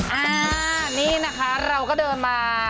อ่านี่นะคะเราก็เดินมา